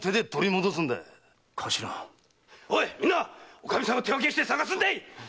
おかみさんを手分けして探すんだ！